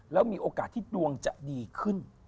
แล้วมีโอกาสที่ดวงจะดีขึ้น